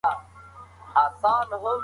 د ادب د تبادلې پروګرامونو ملاتړ کیږي.